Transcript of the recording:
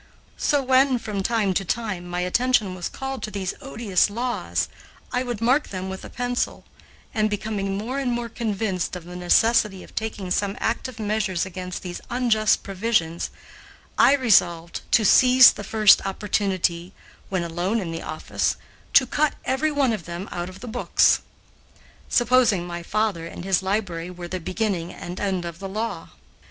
So when, from time to time, my attention was called to these odious laws, I would mark them with a pencil, and becoming more and more convinced of the necessity of taking some active measures against these unjust provisions, I resolved to seize the first opportunity, when alone in the office, to cut every one of them out of the books; supposing my father and his library were the beginning and the end of the law.